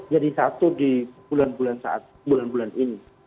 jadi satu di bulan bulan ini